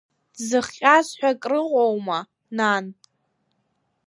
Дзыхҟьаз ҳәа крыҟоума, нан…